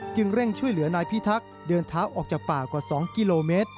จึงเร่งช่วยเหลือนายพิทัก๕เดินเท้าช่วงป่ากว่า๒กิโลเมตร